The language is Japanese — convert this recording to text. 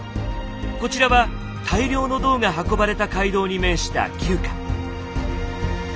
こちらは大量の銅が運ばれた街道に面した旧家。